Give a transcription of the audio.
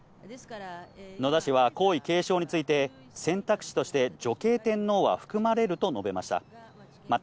野田氏は皇位継承について、選択肢として女系天皇は含まれると述べました。